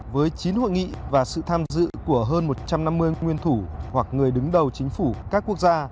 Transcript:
với chín hội nghị và sự tham dự của hơn một trăm năm mươi nguyên thủ hoặc người đứng đầu chính phủ các quốc gia